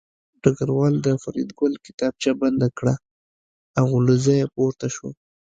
ډګروال د فریدګل کتابچه بنده کړه او له ځایه پورته شو